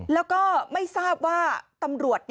แล้วก็ไม่ทราบว่าตำรวจ